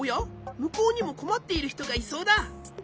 むこうにもこまっているひとがいそうだ。